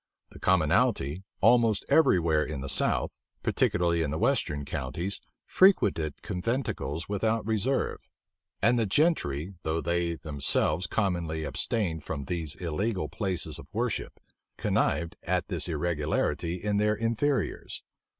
The commonalty, almost every where in the south, particularly in the western counties frequented conventicles without reserve; and the gentry though they themselves commonly abstained from these illegal places of worship, connived at this irregularity in their inferiors.